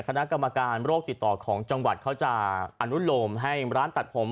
คณะกรรมการโรคติดต่อของจังหวัดเขาจะอนุโลมให้ร้านตัดผม